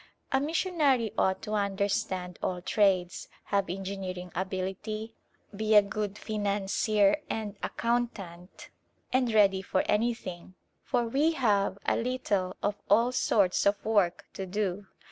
A missionary ought to understand all trades, have engineering ability, be a good financier and accountant, and ready for anything, for we have a little of all sorts of work to do.